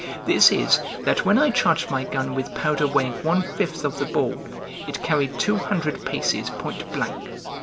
This is, that when I charged my gun with powder weighing one fifth of the ball, it carried two hundred paces point blank.